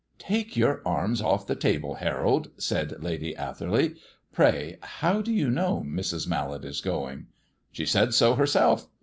"Take your arms off the table, Harold," said Lady Atherley. "Pray, how do you know Mrs. Mallet is going?" "She said so herself.